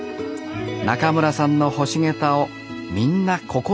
中村さんの干しゲタをみんな心待ちにしています